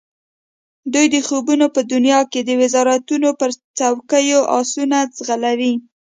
دوی د خوبونو په دنیا کې د وزارتونو پر چوکیو آسونه ځغلولي.